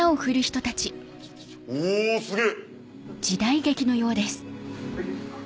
おすげぇ！